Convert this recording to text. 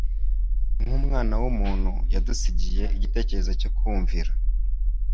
Nk'umwana w'umuntu yadusigiye icyitegererezo cyo kumvira,